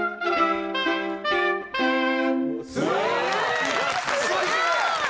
すごい！